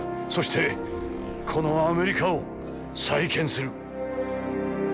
そしてこのアメリカを再建する！